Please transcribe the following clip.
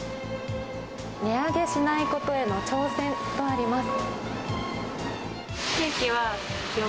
値上げしないことへの挑戦とあります。